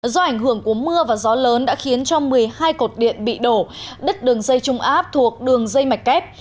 do ảnh hưởng của mưa và gió lớn đã khiến cho một mươi hai cột điện bị đổ đứt đường dây trung áp thuộc đường dây mạch kép